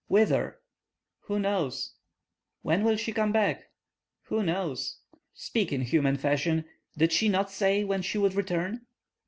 "Whither?" "Who knows?" "When will she come back?" "Who knows?" "Speak in human fashion. Did she not say when she would return?"